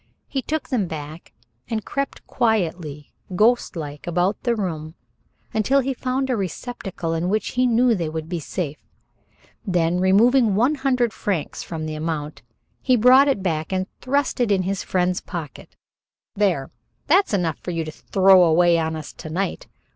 He took them back and crept quietly, ghostlike, about the room until he found a receptacle in which he knew they would be safe; then, removing one hundred francs from the amount, he brought it back and thrust it in his friend's pocket. "There that's enough for you to throw away on us to night.